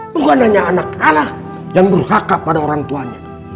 bukan hanya anak anak yang durhaka pada orang tuanya